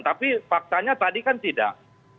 tapi faktanya tadi kan tidak